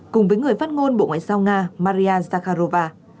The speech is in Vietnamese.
cùng với người phát ngôn bộ ngoại giao nga maria zakharova